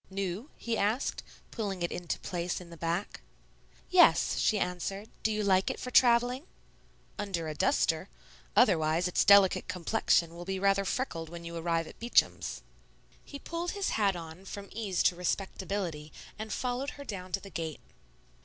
"New?" he asked, pulling it into place in the back. "Yes," she answered; "do you like it for travelling?" "Under a duster. Otherwise its delicate complexion will be rather freckled when you arrive at Beacham's." He pulled his hat on from ease to respectability and followed her down to the gate.